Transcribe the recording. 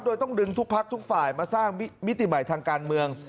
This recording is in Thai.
โดยต้องดึงทุกพักทุกฝ่ายมาสร้างมิติใหม่ทางการเมือง